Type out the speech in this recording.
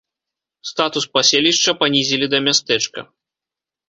Статус паселішча панізілі да мястэчка.